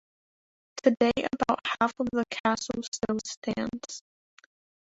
Today about half of the castle still stands.